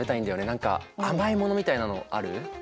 何か甘いものみたいなのある？